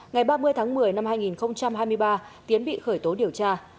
ngày ba mươi tháng một mươi năm hai nghìn hai mươi ba tiến bị khởi tố điều tra